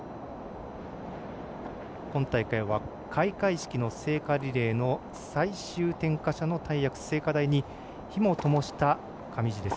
今大会は、開会式の聖火リレーの最終点火者の大役聖火台に火もともした上地です。